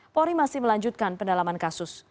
polri masih melanjutkan pendalaman kasus